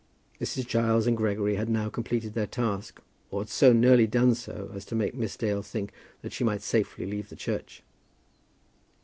Mrs. Giles and Gregory had now completed their task, or had so nearly done so as to make Miss Dale think that she might safely leave the church.